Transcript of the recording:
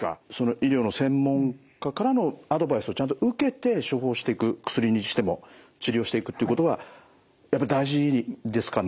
医療の専門家からのアドバイスをちゃんと受けて処方していく薬にしても治療していくっていうことがやっぱり大事ですかね。